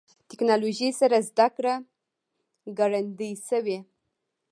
ټکنالوژي سره زدهکړه ګړندۍ شوې.